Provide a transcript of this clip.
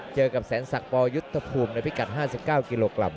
เจอกับแสนศักดิ์ปยุทธภูมิในพิกัด๕๙กิโลกรัม